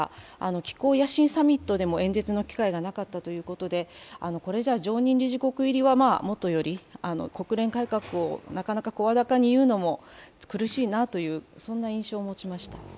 気候野心サミットでも演説の機会がないということでこれじゃ常任理事国入りはもとより国連改革をなかなか声高に言うのも苦しいなという印象を持ちました。